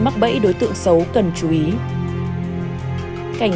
để được giải quyết